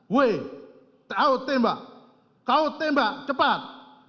weh kau tembak kau tembak cepat